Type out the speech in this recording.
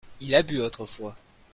il a bu autrefois.